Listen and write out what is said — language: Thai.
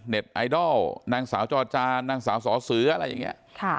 ไอดอลนางสาวจอจานนางสาวสอเสืออะไรอย่างนี้